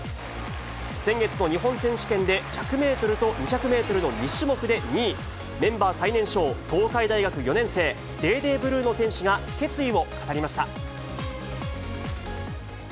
先月の日本選手権で、１００メートルと２００メートルの２種目で２位、メンバー最年少、東海大学４年生、デーデー・ブルーノ選手が決意を語りました。